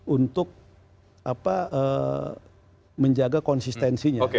untuk menjaga konsistensinya